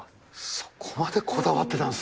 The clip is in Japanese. そこまでこだわってたんです